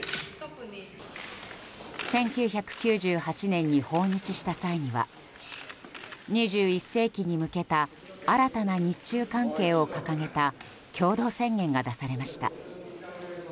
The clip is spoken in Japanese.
１９９８年に訪日した際には２１世紀に向けた新たな日中関係を掲げた共同宣言が出されました。